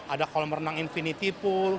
ada kolam renang infinity pool